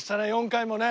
４回もね。